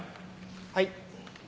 はい。